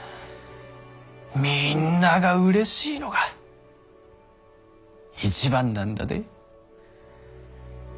みぃんながうれしいのが一番なんだで。